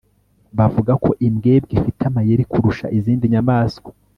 bavuga ko imbwebwe ifite amayeri kurusha izindi nyamaswa